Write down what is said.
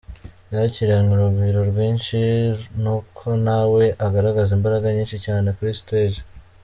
Yakiranywe urugwiro rwinshi nukonawe agaragaza imbaraga nyinshi cyane kuri stage.